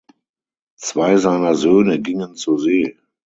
Zwei seiner Söhne gingen zur See.